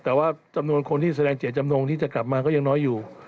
แต่ว่าจำนวนคนที่แสดงเจตจำนงที่จะกลับมาก็ยังน้อยอยู่